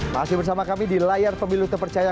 masih bersama kami di layar pemilu terpercaya